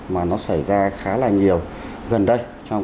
mà nó xảy ra khá là nhiều gần đây